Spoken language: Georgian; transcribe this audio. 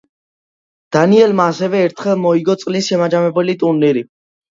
დანიელმა ასევე ერთხელ მოიგო წლის შემაჯამებელი ტურნირი.